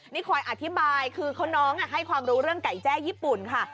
นี่คอยอธิบายคือน้องให้ความรู้เรื่องไก่แจ้ญี่ปุ่นค่ะ